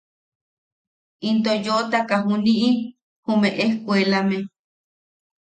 Into yootaka juniʼi jume ejkuelame.